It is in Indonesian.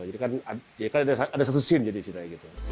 jadi kan ya kan ada satu scene jadi sih